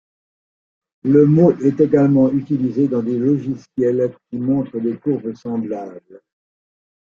Le mot est également utilisé dans des logiciels qui montrent des courbes semblables.